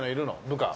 部下。